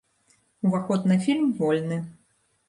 Уваход на фільм вольны.